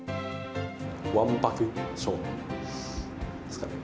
わんぱく少年ですかね。